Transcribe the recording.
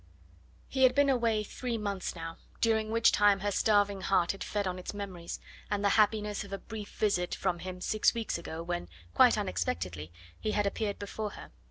He had been away three months now, during which time her starving heart had fed on its memories, and the happiness of a brief visit from him six weeks ago, when quite unexpectedly he had appeared before her...